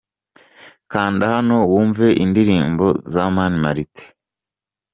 Kanda hano wumve indirimbo za Mani Martin.